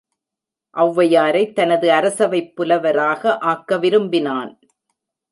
ஒளவையாரைத் தனது அரசவைப் புலவராக ஆக்க விரும்பினான்.